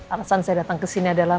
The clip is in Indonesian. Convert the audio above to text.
alasan saya datang ke sini adalah